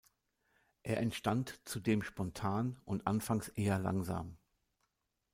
Er entstand zudem spontan und anfangs eher langsam.